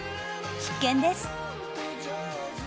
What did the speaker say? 必見です。